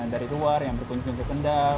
dari luar yang berkunjung ke kendal